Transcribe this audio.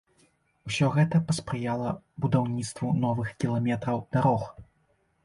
Усё гэта паспрыяла будаўніцтву новых кіламетраў дарог.